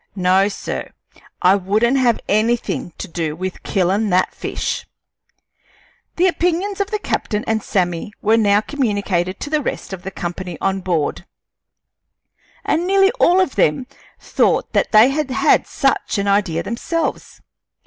No, sir, I wouldn't have anything to do with killin' that fish!" The opinions of the captain and Sammy were now communicated to the rest of the company on board, and nearly all of them thought that they had had such an idea themselves.